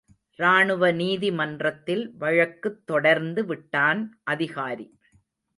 ராணுவ நீதி மன்றத்தில் வழக்குத் தொடர்ந்து விட்டான் அதிகாரி.